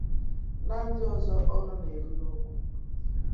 na ndị ọzọ ọnụ na-eru n'okwu.